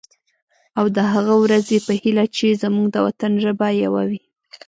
او د هغه ورځې په هیله چې زمونږ د وطن ژبه یوه وي.